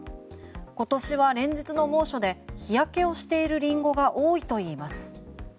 今年は連日の猛暑で日焼けをしているリンゴが多いといいます。